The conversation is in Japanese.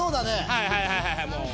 はいはいはいもう。